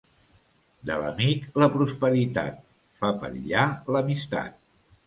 De l'amic, la prosperitat, fa perillar l'amistat.